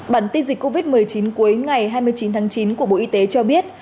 bản tin dịch covid một mươi chín cuối ngày hai mươi chín tháng chín của bộ y tế cho biết